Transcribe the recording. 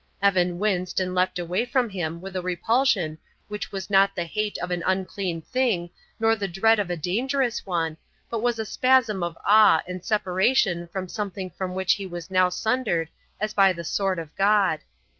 Evan winced and leapt away from him with a repulsion which was not the hate of an unclean thing nor the dread of a dangerous one, but was a spasm of awe and separation from something from which he was now sundered as by the sword of God.